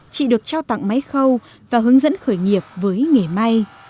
chị được trao tặng máy khâu và hướng dẫn khởi nghiệp với nghề may